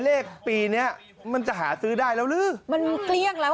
เลขปีเนี้ยมันจะหาซื้อได้แล้วหรือมันเกลี้ยงแล้ว